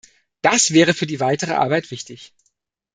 Das wäre für die weitere Arbeit wichtig.